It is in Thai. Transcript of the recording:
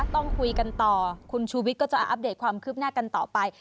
ต้องคุยกันต่อคุณชูวิทย์ก็จะอัปเดตความคืบหน้ากันต่อไป